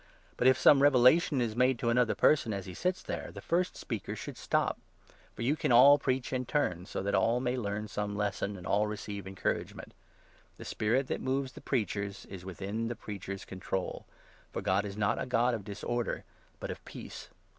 But, if some revelation is 30 made to another person as he sits there, the first speaker should stop. For you can all preach in turn, so that all may learn 31 some lesson and all receive encouragement. (The spirit that 32 moves the preachers is within the preachers' control ; for God 33 is not a God of disorder, but of peace.)